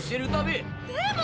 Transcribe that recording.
でも！